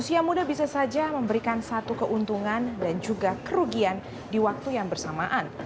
usia muda bisa saja memberikan satu keuntungan dan juga kerugian di waktu yang bersamaan